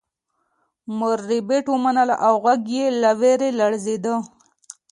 مور ربیټ ومنله او غږ یې له ویرې لړزیده